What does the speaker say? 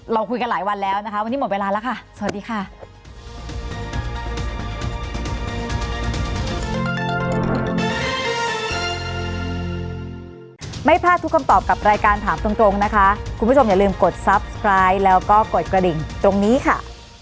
เราคุยกันหลายวันแล้วนะคะวันนี้หมดเวลาแล้วค่ะสวัสดีค่ะ